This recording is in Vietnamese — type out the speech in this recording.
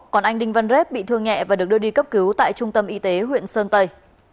còn anh đinh văn rết bị thương nhẹ và được đưa đi cấp cứu tại trung tâm y tế huyện sơn tây